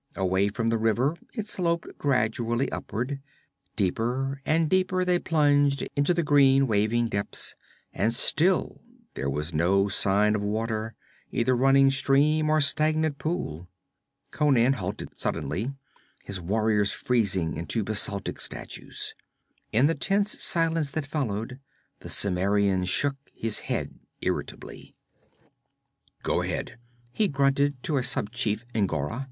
Away from the river, it sloped gradually upward. Deeper and deeper they plunged into the green waving depths, and still there was no sign of water, either running stream or stagnant pool. Conan halted suddenly, his warriors freezing into basaltic statues. In the tense silence that followed, the Cimmerian shook his head irritably. 'Go ahead,' he grunted to a sub chief, N'Gora.